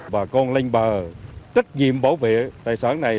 bà con linh bà trách nhiệm bảo vệ tài sản này